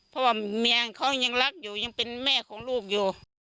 เพราะว่าเมียของเขายังรักอยู่ยังเป็นแม่ของลูกอยู่